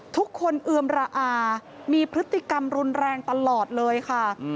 เอือมระอามีพฤติกรรมรุนแรงตลอดเลยค่ะ